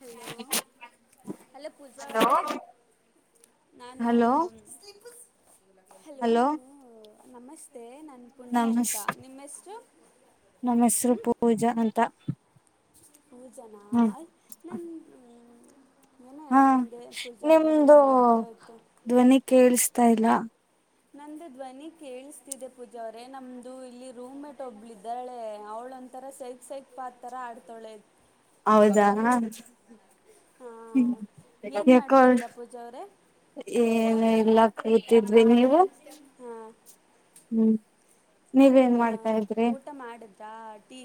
Hello hello Pooja ಅವರೇ hello ನಾನು hello hello ನಮಸ್ತೆ ನಾ ಪುಣ್ಯ ನಮಸ್ ಅಂತ ನಿಮ್ಮ ಹೆಸರು ನಮ್ಮ ಹೆಸರು ಹ್ಞೂ ಪೂಜಾ ಅಂತ ಮೂರ ಜನರಾ ಹ್ಮ ನಾನ ಹಾ ನಾನು ನಿಮ್ದು ಮರ್ತೋಯ್ತು ಧ್ವನಿ ಕೇಳಸ್ತಾ ಇಲ್ಲ ನಂದು ಧ್ವನಿ ಕೇಳಿಸ್ತಿದೆ ಪೂಜೆ ಅವ್ರೇ ನಮ್ದು ಇಲ್ಲಿ ರೂಮ ಮೇಟ್ ಒಬ್ಬಳ ಇದಾಳೆ ಅವಳ ಒಂಥರ ಸೈಕ್ ಸೈಕ್ ಪಾತರ ಆಡ್ತೊಳೆ ಹೌದಾ ಹಾಂ ಏನು ಯಾಕ್ ಏನೂ ಮಾಡ್ತಿದ್ದೀರಾ ಪೂಜಾ ಅವರೇ ಇಲ್ಲ ಎಲ್ಲ ಕತಿದ್ವಿ ನೀವು ಹಾಂ ಹ್ಮ್ ನೀವ ಏನ್ ಮಾಡ್ತಾ ಇದ್ರಿ ತಾಟಿ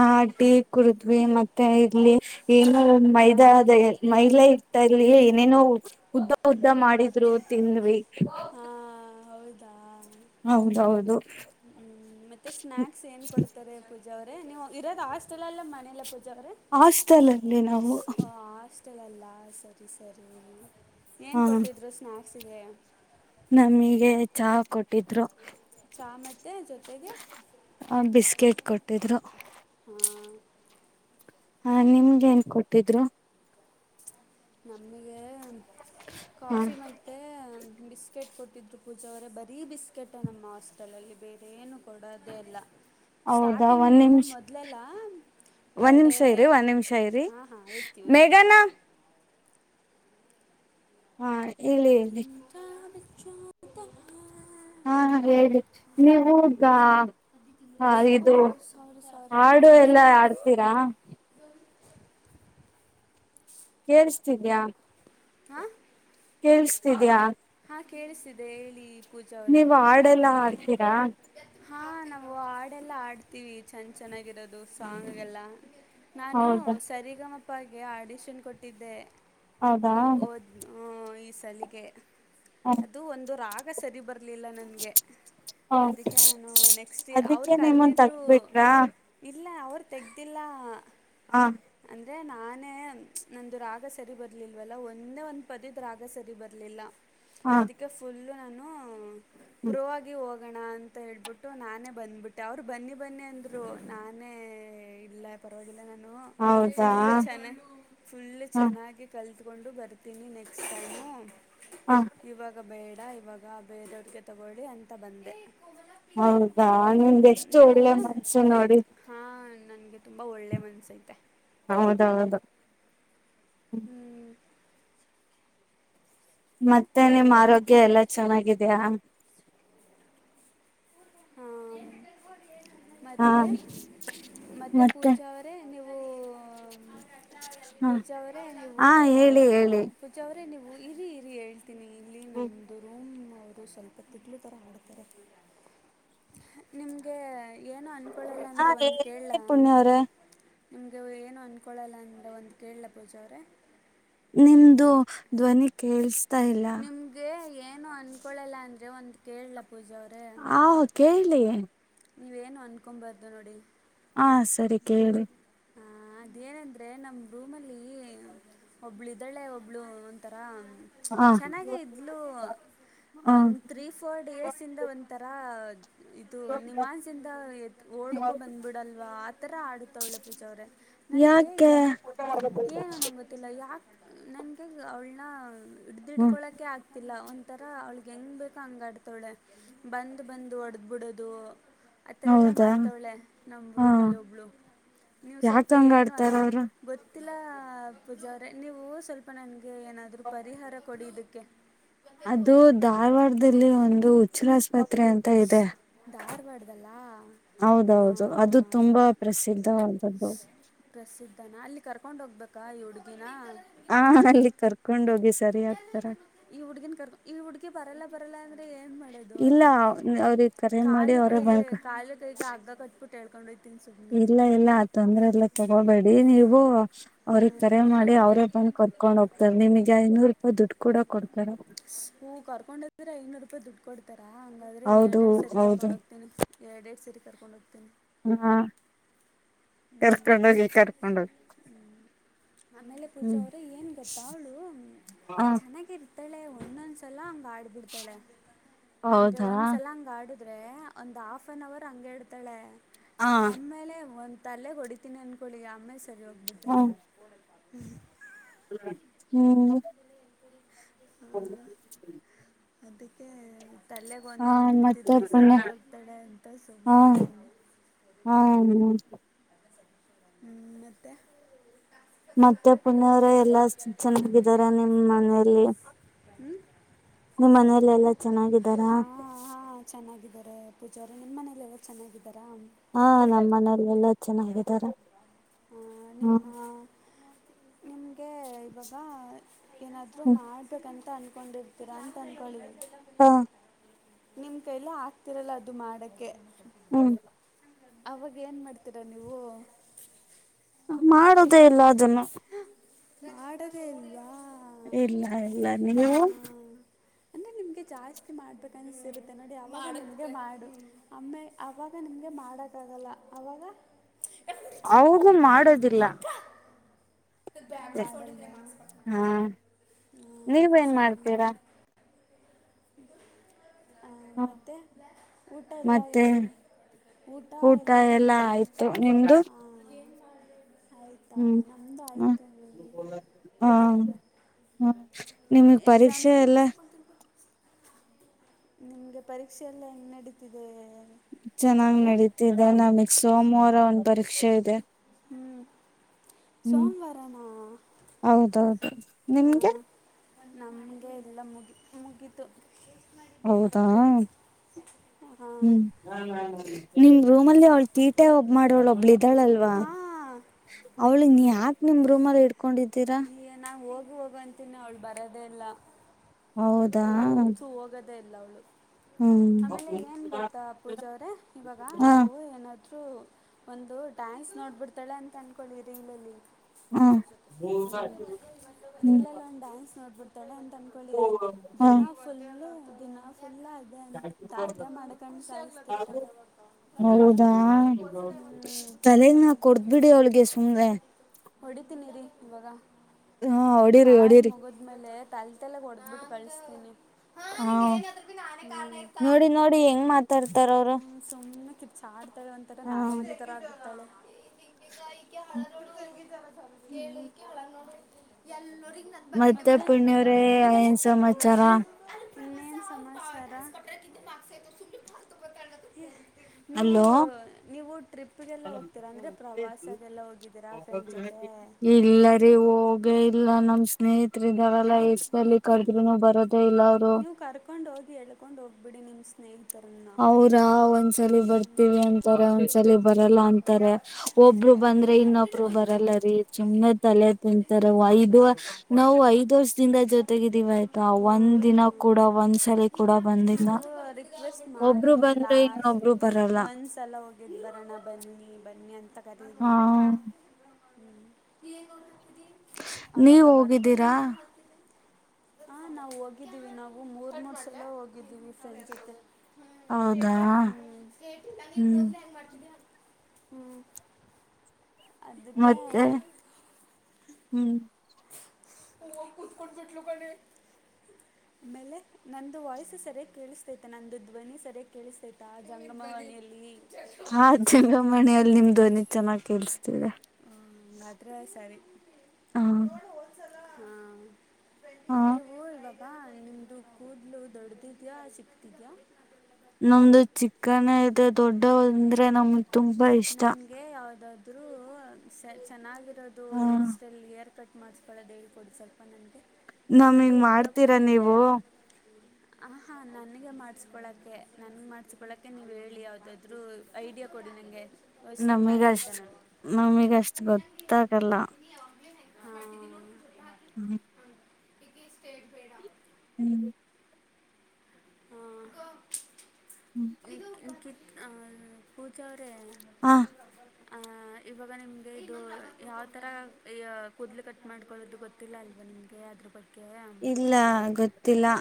ಆ ಟೀ ಕುಡದ್ವಿ ಮತ್ತೆ ಇಲ್ಲಿ ಏನೋ ಮೈದಾದ ಮಹಿಳ ಇಟ್ಟಲ್ಲಿ ಏನೇನೋ ಉದ್ದ ಉದ್ದ ಮಾಡಿದ್ರು ತಿಂದವಿ ಹಾಂ ಹೌದಾ ಹೌದೌದು ಮತ್ತೆ ಸ್ನಾಯಕ್ಸ್ ಏನ್ ಕೊಡ್ತಾರೆ ಪ ಅವರೇ ನೀವು ಇರೋದ ಹ ಆಸ್ಟೆಲ್ಲ್ಲ ಮನೇಲಿ ಆಸ್ಟಲ್ ಅಲ್ಲಿ ನಾವು ಅತ್ತಳಲ್ಲ ಸರಿ ಸರಿ ಏನ್ ಕೊಟ್ಟಿದ್ರು ಸ್ನಾಕ ಸಿಗೆಯ ನಮಿಗೆ ಚಾ ಕೊಟ್ಟಿದ್ರು ಚಾ ಮತ್ತೆ ಜೊತೆಗೆ ತೇದರೋ ಹ್ಮ ಹಾ ನಿಮ್ಗೆನ್ ಕೊಟ್ಟಿದ್ರು ನಮಗೆ ಹ ಕಾಫಿ ಮತ್ತೇ ಬಿಸ್ಕೆಟ್ ಕೊಟ್ಟಿದ್ರು ಪೂಜೆ ಅವರೇ ಬರೀ ಬಿಸ್ಕೆಟ ನಮ್ಮ ಹಾಸ್ಟೆಲಲ್ಲಿ ಬೇರೇ ಏನು ಕೊಡೋದೇ ಇಲ್ಲ ಹೌದಾ ಒಂದ ಸ್ಟಾರ್ಟಿಂಗು ನಿಮಿಷ ಮೊದಲೆಲ್ಲ ಒಂದ ವಡೆ ನಿಮಿಷ ಇರಿ ಒಂದ ನಿಮಿಷ ಇರಿ ಹಾಂ ಹಾಂ ಇರ್ತೀವಿ ಇರ್ತೀವಿ ಮೇಘನಾ ಹಾಯತು ಇಲ್ಲಿ ಇಲ್ಲಿ ಶಾತ [unintelligible] ಹಾ ಹೇಳಿ ನೀವು ಗಾ ಹಾ ಇದು ಅಮ್ಮಾಯ ಸರಿ ಸರಿ ಹಾಡು ಅಮ್ಮ್ಗಡ್ ಎಲ್ಲಾ ಸರಿ ಸ ಆಡ್ತೀರಾ ಕೇಳಸ್ತಿದ್ಯಾ ಹಾ ತಿಳಿಸತಿದ್ಯಾ ಆ ಕೇಳಿಸ್ತಿದೆ ಹೇಳಿ ಪೂಜಾ ಅವರೇ ನೀವ ಹಾಡೆಲ್ಲಾ ಆಡ್ತೀರಾ ಹಾ ನಾವು ಹಾಡೆಲ್ಲ ಆಡ್ತೀವಿ ಚೆಂದ ಚೆನ್ನಾಗಿರೋದು ಸಾಂಗಗೆಲ್ಲ ನಾನು ಹೌದಾ ಸರಿಗ ಮಪ ಅಪ್ಪಾಗೆ ಆಡಿಷನ್ ಕೊಟ್ಟಿದ್ದೆ ಹೌದಾ ಹು ಹು ಈ ಸಲಿಗೆ ಹ ಅದು ಒಂದು ರಾಗ ಸರಿ ಬರ್ಲಿಲ್ಲ ನನ್ಗೆ ಅದಕ್ಕೆ ನಾನು ನೆಕ್ಸ್ಟ್ ಅವ್ರು ಅದಕ್ಕೆ ನಿಮ್ಮನ್ ಕರೆದಿದ್ರು ತಗ್ಬಿಟ್ರಾ ಇಲ್ಲ ಅವ ತೆಗ್ದಿಲ್ಲ ಹಾ ಅದೇ ನಾನೇ ಚೆ ನಂದು ರಾಗ ಸರಿ ಬರಲಿಲ್ವಲ್ಲ ಒಂದೇ ಒಂದು ಪದದು ರಾಗ ಸರಿ ಬರಲಿಲ್ಲ ಹ ಅದಕ್ಕೆ ಫುಲ್ ನಾನು ಪ್ರೊ ಆಗಿ ಹೋಗ್ ಹಣ ಅಂತ ಹೇಳ್ಬಿಟ್ಟು ನಾನೇ ಬಂದ್ಬಿಟ್ಟೆ ಅವ್ರು ಬನ್ನಿ ಬನ್ನಿ ಅಂದ್ರು ನಾನೇ ಇಲ್ಲ ಪರ್ವಾಗಿಲ್ ನ ಫು ಹೌದಾ ಚ ಫುಲ್ ಹ ಚೆನ್ನಾಗಿ ಕಲ್ ತಗೊಂಡು ಬರ್ತೀನಿ ನೆಕ್ಸ್ಟ್ ಟೈಮು ಹ ಇವಾಗ ಬೇ ಇವಾಗ ಬೇದೋಡ್ಗೆ ತಗೊಳ್ಳಿ ಅಂತ ಬಂದೆ ಹೌದಾ ನಿಂದ ಹ್ಮ್, ಎಷ್ಟು ಒಳ್ಳೆ ಮನ್ಸು ನೋಡಿ ನನ್ಗೆ ತುಂಬಾ ಒಳ್ಳೆ ಮನಸೈತೆ ಹೌದೌದು ಹ್ಮ್ ಮತ್ತೆ ನಿಮ್ಮ್ ಆರೋಗ್ಯ ಎಲ್ಲಾ ಚೆನ್ನಾಗಿದ್ಯಾ ಹ್ಮ ಹಾ ಮತ್ತೆ ಮತ್ತೆ ಪೂಜ ಅವ್ರೇ ನೀವ್ ಹ ಪೂಜ ಅವ್ರೆ ನೀವು ಹಾ ಹೇಳಿ ಹೇಳಿ ಪೂಜ ಅವ್ರ್ ನೀವು ಇರಿ ಇರಿ ಹೇಳ್ತೀನಿ ಇಲ್ಲಿ ಹ್ಮ ನಮ್ಮದು ಅವರು ಸ್ವಲ್ಪ ತಿಗ್ಲು ಥರ ಆಡ್ತಾರೆ ನಿಮ್ಗೆ ಏನ ಅನ್ಕೊಳ್ಳಲ್ಲ ಹ ಅಂದ್ರೆ ಒಂದು ಕೇಳ ಹೇಳಿ ಪುಣ್ಯ ಅವ್ರೆ ನಿಮ್ಗೆ ಏನು ಅಂದ್ಕೊಳ್ಳಲ್ಲ ಅಂದ ಒಂದು ಕೇಳಲ ಪೂಜ ಅವ್ರೇ ನಿಮ್ದು ಧ್ವನಿ ಕೇಳ ನಿಮ್ಗೆ ಏನು ಅನ್ಕೊಳ್ಳಲ್ಲ ಅಂದ್ರೆ ಒಂದ್ ಕೇಳ್ಲ ಆ ಕೇಳಿ ಹ್ಮ ನೀವೇನು ಅನ್ಕೊಬಾರ್ದು ನೋಡಿ ಹಾ ಸರಿ ಕೇಳ್ರಿ ಹ ಅದೇನಂದ್ರೆ ನಮ್ ರೂಮಲ್ಲಿ ಒಬ್ಳು ಇದಾಳೆ ಒಬ್ಳು ಒಂಥರ ಹ ಚೆನ್ನಾಗೇ ಇದ್ಲೂ ಹ ಒಂದ್ ತ್ರೀ ಫೋರ್ ಡೇಸಿಂದ ಒಂಥರ ಇದು ನಿಮಾನ್ಸಿಂದ ಓಡ್ಕೊ ಬಂದ್ಬಿಡಲ್ವಾ ಆ ಥರ ಆಡುತ್ತವಳ್ಳೆ ಪೂಜಾ ಅವ್ರೆ ನನ್ಗೆ ಯಾಕೆ ಎಂ ಏನೊ ನಂಗೊತ್ತಿಲ್ಲ ಯಾ ನನ್ಗೆ ಅವಳ್ನ ಹ್ಮ ಹಿಡ್ಕೊಳ್ಳೋಕೆ ಆಗ್ತಿಲ್ಲ ಒಂದ್ ಥರ ಅವ್ಳಿಗೆ ಹೆಂಗ್ ಬೇಕೋ ಹಂಗ ಆಡ್ತವಳೆ ಬಂದು ಬಂದು ಹೊಡ್ದ್ಬುಡೋದು ಆತರೆಲ್ಲ ಹೌದಾ ಮಾಡ್ತವ್ಳೆ ನಮ್ ಹಾ ರೂಮಲ್ಲಿ ಒಬ ನೀವು ಸ್ವಲ್ಪ ಯಾಕಂಗ ಏನು ಅ ಆಡ್ತಾರ ಅವರು ಗೊತ್ ಇಲ್ಲ ಪೂಜಾ ಅವ್ರೆ ನೀವು ಸ್ವಲ್ಪ ನನ್ ಏನಾದ್ರು ಪರಿಹಾರ ಕೊಡಿ ಇದ್ ಕ್ಕೆ [unintelligible] ಅದು ಧಾರವಾಡದಲ್ಲಿ ಒಂದು ಉಚ್ಚ್ರಾಸ್ [unintelligible] ಸ್ಪತ್ರೆ ಅಂತ ಇದೆ ಧಾರವಾಡದಲ್ಲ ಹೌದೌದು ಅದು ತುಂಬಾ ಪ್ರಸಿದ್ಧವಾದದ್ದು ಕರ್ಕೊಂಡ್ ಹೋಗ್ಬೇಕಾ ಈ ಹುಡ್ಗಿ [unintelligible] ಹಾ ಅಲ್ಲಿ ಕರ್ಕೊಂಡೋಗಿ ಸರಿ ಆಗ್ತಾರ [unintelligible] ಪರಲಾರ [unintelligible] [unintelligible] ದೆ ಏನ್ ಮಾಡದು ಇಲ್ಲ ಅವ್ರಿಗೆ ಕರೆ ಮಾಡಿ ಅವರ ಬಂಕ್ ತಿಳ್ಕೊಂಡೖ [unintelligible] ಇಲ್ಲ ಇಲ್ಲ ಆ ತೊಂದ್ರೆಗಳ್ ತಗೋಬೇಡಿ ನೀವು ಹ ಹ್ಞೂ ಅವ್ರಿಗೆ ಕರೆ ಮಾಡಿ ಅವ್ರೇ ಬಂದ್ ಕರ್ಕೊಂಡ್ ಹೋಗ್ತಾರೆ ನಿಮಗೆ ಐನೂರ್ ದುಡ್ಡ್ ಕೂಡ ಕೊಡ್ತಾರ ಹೂ ಕರ್ಕೊಂಡೋದ್ರೆ ಐನೂರು ರೂಪಾಯಿ ದುಡ್ಡು ಕೊಡ್ತಾರೆ ಹೌದು ಹೌದು ಎರಡೆರಡ್ಸರಿ ಕರ್ಕೊಂಡೊಗ್ತೀನಿ ಹಾ ಹ್ಮ್ ಕರ್ಕೊಂಡೋಗಿ ಕರ್ಕೊಂಡೋಗಿ ಹ್ಮ್ ಆಮೇಲೆ ಪೂಜ ಹ್ಮ್ ಅವ್ರೇ ಏನು ಗೊತ್ತ ಅವಳು ಹ ಚೆನ್ನಾಗಿರ್ತ ಮತ್ತಳೆ ಒಂದೊಂದ್ಸಲ ಗಾಡ್ ಬಿಡ್ತಾಳೆ ಅಂದ್ರೆ ಹೌದಾ ಒಂದ್ಸಲ ಹಂಗ ಗಾಡ್ ಆದ್ರೆ ಒಂದು ಹಾಫ್ ಅನ್ ಅವರ್ ಹಂಗೆ ಇಡ್ತಾಳೆ ಹ ಆಮೇಲೆ ಒಂದು ತಲೆೇ ಕೊಡಿತೀನಿ ಅನ್ಕೊಳ್ಳಿ ಆಮ್ಮೆ [unintelligible] ಸರಿ ಹೋಗ್ಬಿಡ್ತಲ್ಲ ಹ್ಮ್ ಹ್ಮ್ ಹ್ಮ್ ಹೌ ಅದಕ್ಕೆ ತಲೆಗೆ ಒಂದೊಂದು್ ಮತ್ತೆ ಬಿಡ್ತಿದ್ರೆ ಸರಿ ಪುನಃ ಹೋಗ್ತಾಳೆ ಅಂತ ಹ ಸುಮ್ಮನೆದೀನಿ ಹ ಹ್ಮ ಮತ್ತೆ ಮತ್ತೆ ಪುನೆಯವ್ರ ಎಲ್ಲಾ ಚೆನ್ನಾಗಿದ್ದಾರೆ ನಿಮ್ಮ್ ಮನೆಯಲ್ಲಿ ಹ್ಞೂ ನಿಮ್ಮ ಮನೆಯಲ್ಲ ಎಲ್ಲಾ ಚೆನ್ನಾಗಿದ್ದಾರಾ ಪೂಜಾರ ನಿಮನೆಲೆಲ್ಲ ಚೆನ್ನಾಗಿತ್ ಹಾ ನಮ್ಮ ಮನೆ ಇಲ್ಲ ಎಲ್ಲಾ ಚೆನ್ನಾಗಿದಾರ ಹ್ಮ ನಿಮ್ಗೆ ಇವಾಗ ಏನಾದರೂ ಹ್ಮ್ ಮಾಡಬೇಕನ್ ಅಂದ್ಕೊಂಡಿರ್ತೀರ ಅಂತ ಅಂದಕೋಳ್ಳಿ ಹಾ ನಿಮ್ ಕೈಲ್ಲ ಆಗ್ತಿರಲ್ಲ ಅದು ಮಾಡಕೆ ಹ್ಮ್ ಅವಾಗ ಏನ್ ಮಾಡ್ತೀರಾ ನೀವು ಮಾಡುದೇ ಇಲ್ಲ ಅದನ್ನು ಮಾಡಡವೇ ಇಲ್ವಾ ಇಲ್ಲ ಇಲ್ಲ ನೀವು ಅಂದ್ರೆ ನಿಮ್ಗೆ ಜಾಸ್ತಿ ಮಾಡ್ಬೇಕನ್ಸರುತ್ತೆ ನೋಡಿ ಅವಾಗ ನಿಮ್ಗೆ ಮಾಡು ಆಮ್ಮೆ ಅವಾಗ ನಿಮ್ಗೆ ಮಾಡಕ ಆಗಲ್ಲ ಅವಾಗ ಅವುದು ಮಾಡೋದಿಲ್ಲ ಬ ಹ ಹಾ ನೀವೇನ್ ಸರಿ ಮಾಡ್ತೀರಾ ಹ ಮತ್ತು ಊಟ ಎಲ್ಲ ಮತ್ತೆ ಏನು ಊಟ ಎಲ್ಲಾ ಎಲ್ಲನು ಆಯ್ತು ನಿಮ್ದು ಹ್ಮ್ ಹ ಆಯಿತು ಹಾ ಪೂಜಾ ಅವರೇ ಹ ನಿಮಗ್ ಪರೀಕ್ಷೆ ಎಲ್ಲ ನಿಮ್ಗೆ ಪರೀಕ್ಷೆ ಎಲ್ಲ ಹೆಂಗ ನಡೀತಿದೆ ಪೂಜಾ ಚೆನ್ನಾಗ್ ಅವರೇ ನಡೀತಿದೆ ನಮಗ್ ಸೋಮವಾರ ಒಂದ್ ಪರೀಕ್ಷೆ ಇದೆ ಹ್ಮ್ ಹ್ಮ್ ಸೋಮವಾರನಾ ಹೌದೌದು ನಿಮ್ಗೆ ಹ್ಮ. ನಮ್ಗೆ ಎಲ್ಲ ಮುಗಿ ಮುಗಿತು. ಹೌದಾ ಹಾಂ ಹ್ಮ್. ನಿಮ್ ರೂಮ್ ಅಲ್ಲಿ ಅವ್ಳ ತೀಟೆ ಒಬ್ಬ ಮಾಡೋವಳ ಒಬ್ಳಿದ್. ಇದಾಳಲ್ವಾ ಹಾಂ ಅವಳು ನೀ. ಹಾಕ್ ನಿಮ್ ರೂಮರ್ ಇಡ್. ಕೊಂಡಿದ್ದೀರಾ. ಹೋಗಂತಿನಿ ಅವ್ಳು ಬರದೆ ಇಲ್ಲ. ಹೌದಾ. ತು ಹೋಗದೇ ಇಲ್ಲ ಅವ್ಳು. ಹ್ಮ್ ಹ ಆಮೇಲೆ ಏನ್ ಗೊತ್ತಾ ಪೂಜ ಅವ್ರೆ ಇವಾಗ ನಾವು ಏನಾದ್. ಒಂದು ಡಾನ್ಸ್ ನೋಡ್ಬಿಡ್ತಾಳೆ ಅಂತ ಅನ್ಕೊಳ್ಳಿ ರೀಲಲ್ಲಿ. ಹ ರೀಲಲ್ಲಿ ಒಂದು ಡ್ಯಾನ್ಸ್ ನೋಡ್ ತ. [unintelligible] ಹಾ. [unintelligible] ದಿನ. ಎಲ್ಲ ಅದೇ ದ್ ದ್ಯ ಮಾಡಕಂಡ ಸಾಯಿಸ್ತೀರ್ತಾಳೆ ಹೌದಾ ಹ್ಮ ತಲೆಗ್ ನಾ ಕೊಡ್ಬಿಡಿ ಅವಳಿಗೆ ಸುಮ್ನೆ ಹೊಡಿತಿನಿ ಇರಿ. ಈವಾಗ. ಹ ಹೊಡೀರಿ ಕಾಲು ಹೊಡೀರಿ ಮುಗಿದ್ಮೇಲೆ ತಲ್. [unintelligible] ತಲೆಗ್ ಹೊಡ್ದಬಿಟ್ಟು ಕಲಸ್ಥಿನೀ. ಹಾ ಹ ನಿಂಗ್ ಏನಾದ್ರು ನಾನೇ ಕಾರಣ ಇತ ನೋಡಿ ನೋಡಿ ಹೆಂಗ್ ಮಾತಾಡ್ತಾರ ಅವರು ಹ್ಮ ಸುಮ್ನೆ ಕಿರಿಚಡ್ತಾಳೆ ಒಂತರ ಹ ನಾಗವಲ್ಲಿ ತರ ಆಡಿಬಿಡತಾಲೆ. ಇಕಿ ಹಲ್ಲು ನೋಡು ಅಕಿ ಹಲ್ಲು ನೋಡ ಎಲ್ಲೋರಿಗ್. ಮತ್ತೆ ಪುಣ್ಯ ಅವ್ರೇ ಏನ್ ಸಮಾಚಾರ. ಇನ್ನೇನ್ ಸಮಾಚಾರ [inaudible] ನೀವು ಹಲೋ ನೀವು ಟ್ರಿಪ್ಪಿಗೆಲ್ಲ ಹಲೋ ಹೋಗ್ತೀರಾ ಅಂದರೆ ಪ್ರವಾಸಗೆಲ್ಲ ಹೋಗಿದ್ದೀರಾ ಫ್ರೆಂಡ್ ಜೊತೆ ಇಲ್ಲರಿ ಹೋಗ್. ಇಲ್ಲ ನಮ್ಮ್ ಸ್ನೇಹಿತ್ರು ಇದಾರಲ್ಲ ಎಷ್ಟ್ಸಲಿ ಕರುದ್ರುನು ಬರೋದ್ ನೀವು ಕರ್ಕೊಂಡ್ ಹೋಗಿ ಎಳ್ಕೊಂಡ್ ಹೋಗಿ. ಬಿಡಿ ನಿಮ್ ಸ್ನೇಹ. ಅವ್ರಾ ಒಂದ್ಸಲಿ ಬರ್ತೀವಿ ಅಂತಾರೆ ಒಂದ್ಸಲಿ ಬರಲ್ಲ ಅಂತಾರೆ ಒಬ್ರು ಬಂದ್ರೆ ಇನ್ನೊಬ್ರು ಬರಲ್ಲಾರಿ ಹ್ಮ್ ಸುಮ್ನೆ ತಲೆ. ತಿಂತರೆ ಐದು ನಾವು ಐದು. ಇಂದ ಜೊತೆಗಿದ್ದೀವಿ ಆಯ್ತಾ ಒಂದ್ ದಿನ ಕೂಡ ಒಂದ್ ಸಲಿ ಕೂಡ ಬಂದಿಲ್ಲ. ನೀವು ರಿಕ್ವೆಸ್ಟ್ ಮಾಡಿ ಒಬ್ರು ಬಂದ್ರೆ ಲಾಸ್ಟ್ ಇನ್ನೊಬ್ರು ಬರಲ್ಲ ಒಂದ್ಸಲ ಹೋಗಿದ್ದು ಬರೋಣ ಬನ್ನಿ ಬನ್ನಿ ಅಂತ. ಹ ಕರಿರಿ. ಹ್ಮ್ ಹ ಅವಾಗ ನೀವ್ ಬರ್ಬೊದ ಹೋಗಿದ್ದೀರಾ ಹಾ ನಾವು ಹೋಗಿದ್ದೀವಿ ನಾವು ಮೂರ್ ನಾಲ್ಕು ಸಲ ಹೋಗಿದ್ದೀವಿ ಫ್ರೆಂಡ್ಸ ಜೊತ. ಹ ಹೌದಾ ಸ್ಟೇಟಸ್ ಹೆಂಗೆ ಸ್ಟೇ್ಟೇ ನೀ ಹ್ಮ್ ಮೊದ್ಲೇ ಹಂಗ ಮಾಡ್ತೀದೀಯ. ಹ್ಮ್ ಮತ್ತೆ ಹ್ಮ್ ತ್ ಕುತ್ಕೋಂಡ ಬಿಟ್ಟು ಕನೆ ಆಮೇಲೆ ನಂದು ವಾಯ್ಸ ಸರಿಯಾಗಿ ಕೇಳಿಸ್ತೈತಾ ನಂದು ಧ್ವನಿ ಸರಿಯಾಗಿ ಕೇಳಿಸ್ತೈತ ಜಂಗಮ ಮನೆಯಲ್ಲಿ ಹಾ ಜಂಗಮಣಿಯಲ್ಲಿ ನಿಮ್ ಧ್ವನಿ ಚೆನ್ನಾಗಿ ಕಳ್ಸ್ತಿದೆ ಹಂಗಾದ್ರೆ ಹಾ ಹಾ ಹ ನೀವು ಈವಗ ಹಾ ನಿಮ್ಮದು ಕೂದಲು ದೊಡ್ದಿದ್ಯಾ ಚಿಕ್ದ್ ಇದಿಯ ನಮ್ದು ಚಿಕ್ಕನೇ ಇದೆ ದೊಡ್ಡ ಅಂದ್ರೆ ನಮ ನನ್ಗೆ ಯಾವ್ದಾದು [unintelligible] ಇದ್ರೂ ಸ ಚೆನ್ನಾಗಿ [unintelligible] ದು [unintelligible] ಹ ಹೇರ್ ಸ್ಟೈಲ್ ರ್ [unintelligible] ಕಟ್ ಮಾಡಿಸ್ಕೊಳ್ಳೋದು ಹೇಳಿ ಕೊಡಿ, ಸ್ವಲ್ಪ ನಂಗೆ. ನಮಿಗ್ ಮಾಡ್ತೀರಾ ನೀವು? ಆ ಹಾ ನನಗೆ ಮಾಡಿಸ್ಕೊಳೋಕ್ಕೆ ನನಗೆ ಮಾಡ್ಸ್ಕೊಳೋಕ್ಕೆ ನೀವು ಹೇಳಿ ಯಾವುದಾದ್ರೂ ಐಡಿಯಾ ಕೊಡಿ ನನಗೆ. ಯೋಚನೆ ಮಾಡ್ತಿದ್ದೆ ನಮಿಗಷ್ಟ್, ನಾನು ನಮಿಗಷ್ಟ್ ಗೊತ್ತಾಗಲ್ಲ. ಹಾಂ ಹ್ಮ್ [unintelligible] ಹೇ ಸ್ಟ್ರೇಟ್ ಬೇಡ. ನಿಖಿತ್, ಅ ಪೂಜ ಅವ್ರೇ ಹ ಹಾ, ಇವಾಗ ನಿಮ್ಗೆ ಇದು ಯಾವ ತರ ಕೂದ್ಲು ಕಟ್ ಮಾಡ್ಕೊಳ್ಳೋದು ಗೊತ್ತಿಲ್ಲ ಅಲ್ವಾ ನಿಮ್ಗೆ? ಆದ್ರೂ ಬಗ್ಗೆ ಇಲ್ಲ, ಗೊತ್ತಿಲ್ಲ.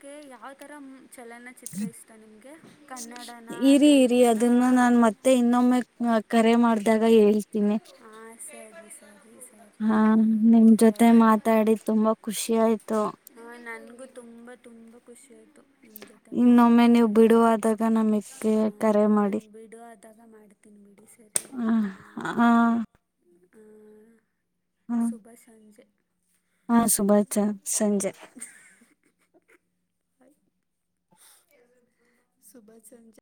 ಕ [unintelligible] ಯಾವ ತರ ಚಲನಚಿತ್ರ ಇಷ್ಟ ನಿಮಗೆ? ಕನ್ನಡನ ಇರಿ ಇರಿ, ತೆಲುಗುನ ಅದನ್ನ ನಾನ್ ಮತ್ತೆ ಇನ್ನೊಮ್ಮೆ ಹ್ಮ್, ಕರೆ ಮಾಡ್ದಾಗ ಹೇಳ್ತೀನಿ. ಹಾಂ ಸರಿ [unintelligible] ಸರಿ ಸರಿ ಹಾ, ನಿಮ್ ಪೂಜಾ ಜೊತೆ ಮಾತಾಡಿ ಅವರೇ ತುಂಬಾ ಖುಷಿ ಆಯ್ತು. ಹಾಂ ನನಗೂ ತುಂಬ ತುಂಬ ಖುಷಿ ಆ [unintelligible] ಇನ್ನೊಮ್ಮೆ ನೀವು ಬಿಡುವಾದಾಗ, ನಮಗ್ ಏ ಕರೆ ಮಾಡಿ. ತಗ [unintelligible] ಮಾಡ್ತೀನಿ ಬಿಡಿ. ಸರ್ ಹ ಹ ಆ ಶುಭ ಸಂಜೆ ಹಾ, ಸುಬಾಚಾ ಸಂಜೆ [unintelligible] ಸುಭಾ ಸಂಜ [unintelligible]